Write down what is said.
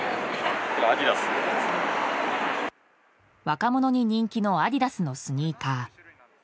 若者に人気のアディダスのスニーカー。